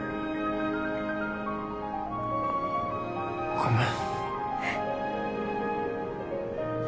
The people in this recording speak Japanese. ごめん。